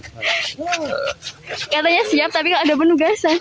wali kata siap tapi gak ada penugasan